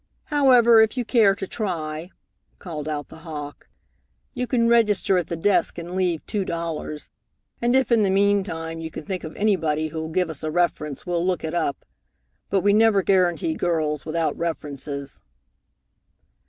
"However, if you care to try," called out the hawk, "you can register at the desk and leave two dollars, and if in the meantime you can think of anybody who'll give us a reference, we'll look it up. But we never guarantee girls without references."